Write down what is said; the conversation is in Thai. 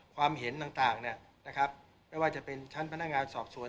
ความเห็นต่างไม่ว่าจะเป็นชั้นพนักงานสอบสวน